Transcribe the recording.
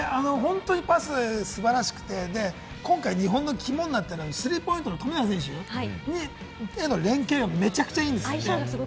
パス素晴らしくてね、今回、日本の肝になっているスリーポイントの富永選手に連係もめちゃくちゃいいんですよね。